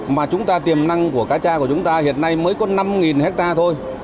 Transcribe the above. mà chúng ta tiềm năng của cá cha của chúng ta hiện nay mới có năm hectare thôi